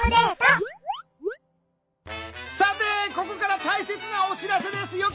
さてここから大切なお知らせです。